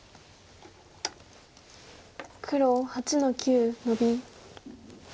黒８の九ノビ。